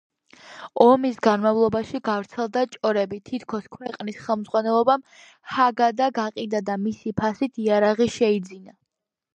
ომის განმავლობაში გავრცელდა ჭორები, თითქოს ქვეყნის ხელმძღვანელობამ ჰაგადა გაყიდა და მისი ფასით იარაღი შეიძინა.